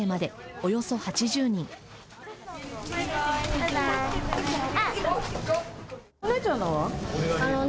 お姉ちゃんのは。